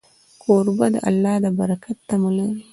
کوربه د الله د برکت تمه لري.